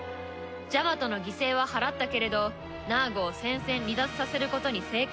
ジャマトの犠牲は払ったけれどナーゴを戦線離脱させることに成功